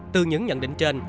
từ những nhận định trên